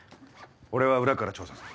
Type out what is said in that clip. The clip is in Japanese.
俺は裏から調査する。